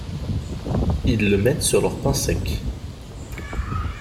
Ils le mettent sur leur pain sec.